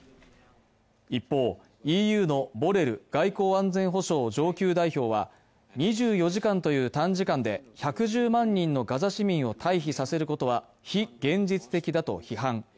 一方、ＥＵのボレル外交安全保障上級代表は２４時間という短時間で１１０万人のガザ市民を待避させることは非現実的だと批判。